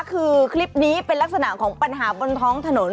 คือคลิปนี้เป็นลักษณะของปัญหาบนท้องถนน